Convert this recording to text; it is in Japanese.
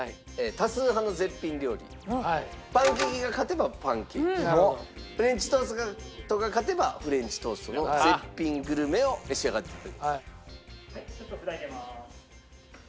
パンケーキが勝てばパンケーキフレンチトーストが勝てばフレンチトーストの絶品グルメを召し上がって頂く。